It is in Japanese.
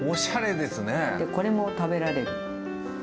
でこれも食べられるの。